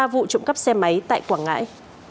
ba vụ trộm cắp xe máy tại quảng ngãi